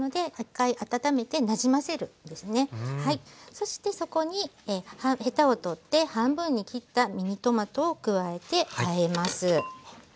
そしてそこにヘタを取って半分に切ったミニトマトを加えてあえます。